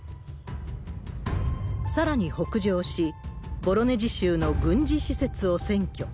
さらに北上し、ボロネジ州の軍事施設を占拠。